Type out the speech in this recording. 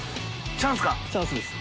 チャンスです。